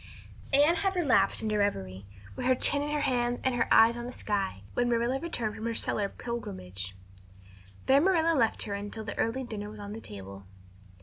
_" Anne had relapsed into reverie, with her chin in her hands and her eyes on the sky, when Marilla returned from her cellar pilgrimage. There Marilla left her until the early dinner was on the table.